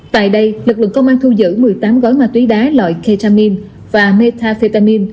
tại đây lực lượng công an thu giữ một mươi tám gói ma túy đá loại ketamin và metafetamin